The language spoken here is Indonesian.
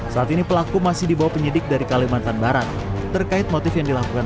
saat ini pelaku masih dibawa penyidik dari kalimantan barat terkait motif yang dilakukan